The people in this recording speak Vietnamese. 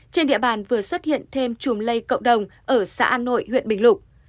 trên địa bàn vừa xuất hiện thêm chùm lây cộng đồng ở xã an nội huyện bình lục